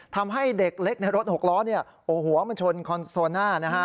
ทำให้เด็กเล็กในรถหกล้อเนี่ยโอ้โหหัวมันชนคอนโซน่านะฮะ